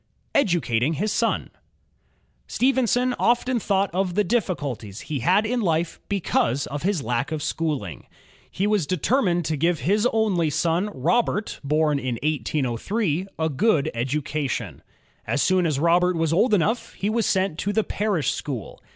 Educating his Son Stephenson often thought of the diflSiculties he had in life because of his lack of schooling. He was determined to give his only son Robert, born in 1803, a good education. As soon as Robert was old enough he was sent to the parish school.